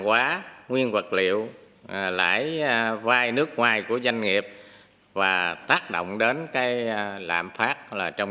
quá nguyên vật liệu lãi vai nước ngoài của doanh nghiệp và tác động đến cái lạm phát là trong